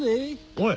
おい！